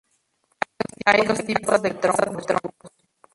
Hay dos tipos de casas de troncos.